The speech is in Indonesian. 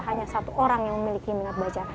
hanya satu orang yang memiliki minat baca